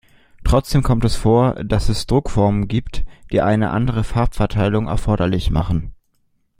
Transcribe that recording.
Trotzdem kommt es vor, dass es Druckformen gibt, die eine andere Farbverteilung erforderlich machen.